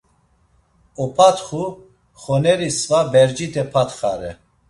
Opatxu; xoneri sva bercite patxare.